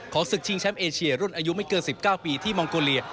ศึกชิงแชมป์เอเชียรุ่นอายุไม่เกิน๑๙ปีที่มองโกเลีย